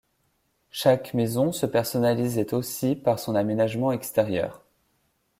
Chaque maison se personnalisait aussi par son aménagement extérieur.